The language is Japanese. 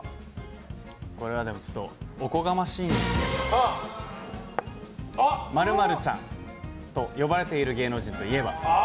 これはおこがましいんですけど○○ちゃんと呼ばれている芸能人といえば？